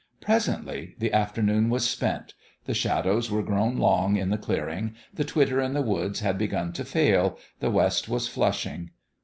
Presently the afternoon was spent : the shadows were grown long in the clearing, the twitter in the woods had begun to fail, the west was flushing.